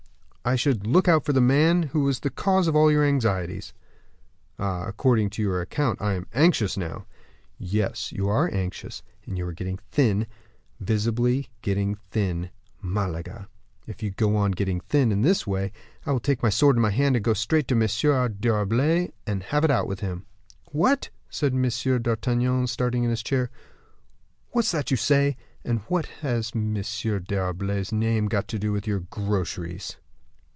"I should look out for the man who was the cause of all your anxieties." "Ah! according to your account, I am anxious now." "Yes, you are anxious; and you are getting thin, visibly getting thin. Malaga! if you go on getting thin, in this way, I will take my sword in my hand, and go straight to M. d'Herblay, and have it out with him." "What!" said M. d'Artagnan, starting in his chair; "what's that you say? And what has M. d'Herblay's name to do with your groceries?"